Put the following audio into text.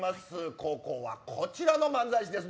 後攻はこちらの漫才師です。